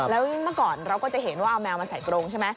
แล้วเมื่อก่อนเราก็จะเห็นว่าเอาแมวมาใส่กรงใช่ไหม